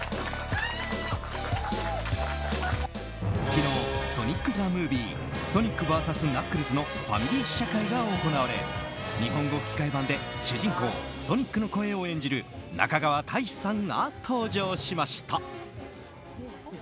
昨日「ソニック・ザ・ムービー／ソニックＶＳナックルズ」のファミリー試写会が行われ日本語吹き替え版で主人公ソニックの声を演じる中川大志さんが登場しました。